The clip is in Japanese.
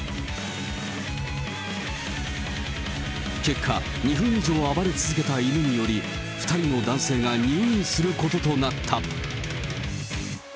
結果、２分以上暴れ続けた犬により、２人の男性が入院することとなった。